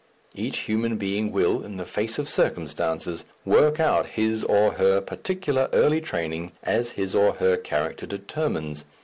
Each human being will, in the face of circumstances, work out his or her particular early training as his or her character determines.